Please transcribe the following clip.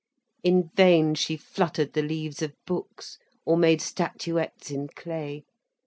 In vain she fluttered the leaves of books, or made statuettes in clay.